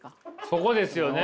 そこですよね。